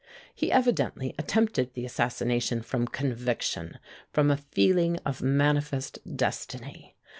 He evidently attempted the assassination from conviction, from a feeling of manifest destiny.